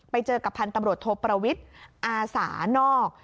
ไปเจอกับพันธุ์ตำรวจโทประวิทย์อาสานอก